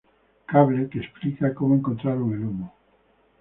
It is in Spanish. Cable, que explica cómo encontraron el Humo.